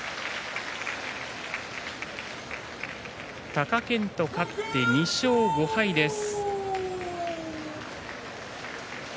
貴健斗、勝って２勝５敗です。